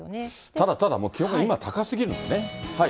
ただただ、もう気温が今、高すぎるんでね。